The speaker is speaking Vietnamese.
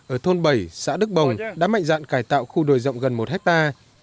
ở thôn bảy xã đức bồng đã mạnh dạn cải tạo khu đồi rộng gần một hectare